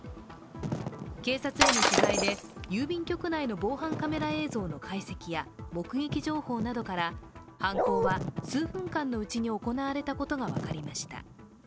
警察への取材で、郵便局内の防犯カメラ映像の解析や目撃情報などから犯行は数分間のうちに行われたことが分かりました。